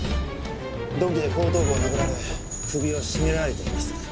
鈍器で後頭部を殴られ首を絞められています。